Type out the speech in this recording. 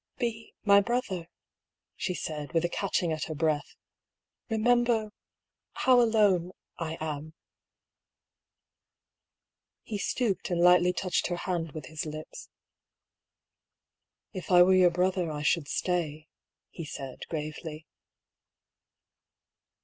" Be my brother," she said, with a catching at her breath. " Remember — how alone — I am !" He stooped and lightly touched her hand with his lips. " If I were your brother, I should stay," he said, gravely.